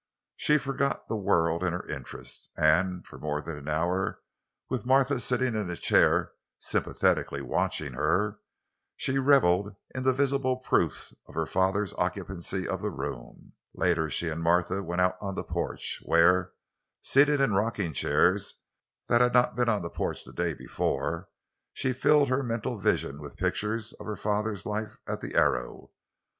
She forgot the world in her interest, and for more than an hour, with Martha sitting in a chair sympathetically watching her, she reveled in the visible proofs of her father's occupancy of the room. Later she and Martha went out on the porch, where, seated in rocking chairs—that had not been on the porch the day before—she filled her mental vision with pictures of her father's life at the Arrow.